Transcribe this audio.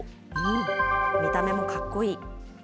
見た目もかっこいい。